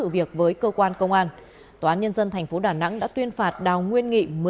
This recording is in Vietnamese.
việc với cơ quan công an tòa án nhân dân tp đà nẵng đã tuyên phạt đào nguyên nghị